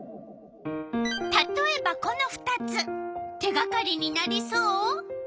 たとえばこの２つ手がかりになりそう？